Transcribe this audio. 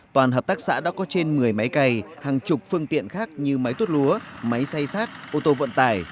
toàn hợp tác xã đã có trên một mươi máy cày hàng chục phương tiện khác như máy tuốt lúa máy xay sát ô tô vận tải